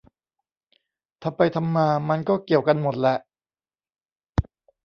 ทำไปทำมา มันก็เกี่ยวกันหมดแหละ